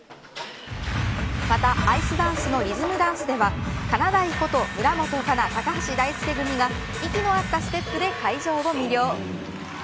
またアイスダンスのリズムダンスではかなだいこと村元哉中、高橋大輔組が息の合ったステップで会場を魅了。